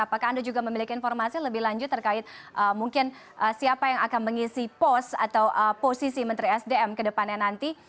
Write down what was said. apakah anda juga memiliki informasi lebih lanjut terkait mungkin siapa yang akan mengisi pos atau posisi menteri sdm ke depannya nanti